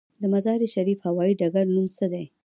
د مزار شریف هوايي ډګر نوم څه دی؟